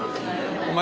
お前